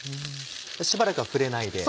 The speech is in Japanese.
しばらくは触れないで。